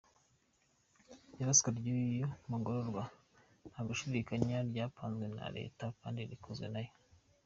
Iraswa ry’uyu mugororwa ntagushidikanya ryapanzwe na leta kandi rikozwe nayo.